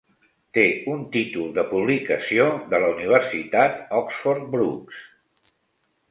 Té un títol de publicació de la Universitat Oxford Brookes.